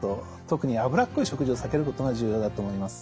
特に脂っこい食事を避けることが重要だと思います。